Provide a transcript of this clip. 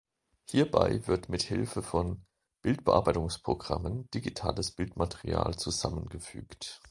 Hierbei wird mithilfe von Bildbearbeitungsprogrammen digitales Bildmaterial zusammengefügt.